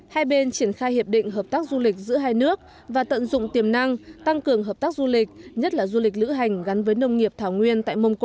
hai bên triển khai hiệp định hợp tác du lịch giữa hai nước và tận dụng tiềm năng tăng cường hợp tác du lịch nhất là du lịch lữ hành gắn với nông nghiệp thảo nguyên tại mông cổ